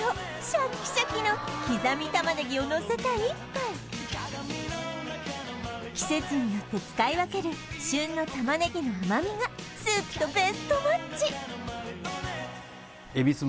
シャッキシャキの刻みタマネギをのせた１杯季節によって使い分ける旬のタマネギの甘みがスープとベストマッチえびす